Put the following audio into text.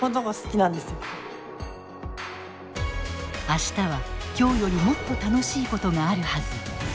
明日は今日よりもっと楽しいことがあるはず。